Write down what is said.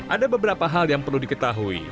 ada beberapa hal yang perlu diketahui